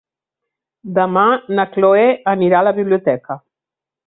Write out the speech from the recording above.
Demà na Cloè anirà a la biblioteca.